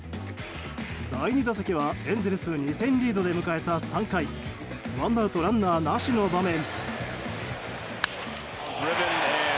第２打席は、エンゼルス２点リードで迎えた３回ワンアウトランナーなしの場面。